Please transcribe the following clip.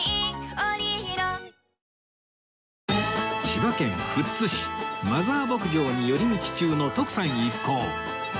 千葉県富津市マザー牧場に寄り道中の徳さん一行